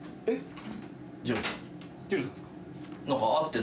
えっ？